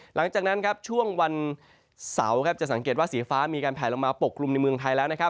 หลังจากนั้นช่วงวันเสาร์จะสังเกตว่าสีฟ้ามีการแผลลงมาปกกลุ่มในเมืองไทยแล้วนะครับ